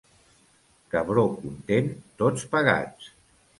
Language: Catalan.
Cabró content, tots pagats.